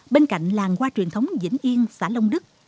bên cạnh làng hoa truyền thống vĩnh yên xã long đức